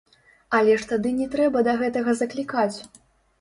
Але ж тады не трэба да гэтага заклікаць.